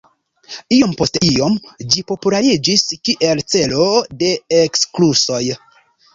Iom post iom ĝi populariĝis kiel celo de ekskursoj.